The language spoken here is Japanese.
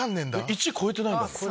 １超えてないんだ。